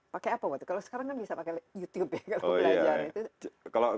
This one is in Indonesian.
pake apa waktu kalo sekarang kan bisa pake youtube ya kalo belajar